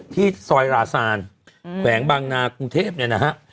ที่ซอยหลาซาลแขวงบังนาวุธีกรุงเทพฯเนี่ยนะฮะ